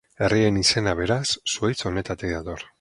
Herriaren izena beraz zuhaitz honetatik dator.